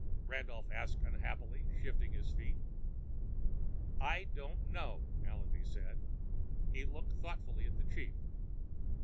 Randolph asked unhappily, shifting his feet. "I don't know," Allenby said. He looked thoughtfully at the chief.